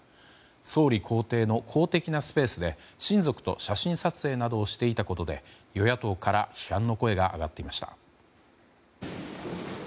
総理公邸の公的なスペースで親族と写真撮影などをしていたことで与野党から批判の声が上がっていました。